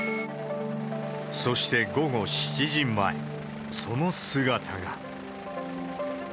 そして午後７時前、その姿が。